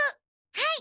はい。